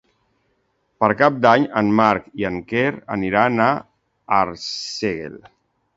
Per Cap d'Any en Marc i en Quer aniran a Arsèguel.